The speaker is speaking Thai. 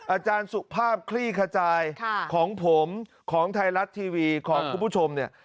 อาจารย์สุภาพคลี่ขจายของผมของไทยรัฐทีวีของคุณผู้ชมเนี่ย